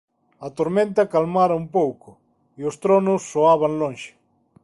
A tormenta calmara un pouco, e os tronos soaban lonxe.